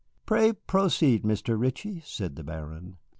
"Pray proceed, Mr. Ritchie," said the Baron.